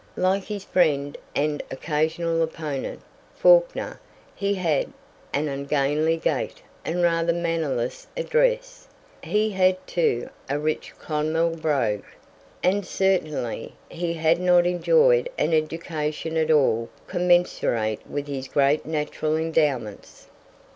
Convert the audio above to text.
Like his friend and occasional opponent, Fawkner, he had an ungainly gait and rather mannerless address; he had, too, a rich Clonmel brogue, and certainly he had not enjoyed an education at all commensurate with his great natural endowments.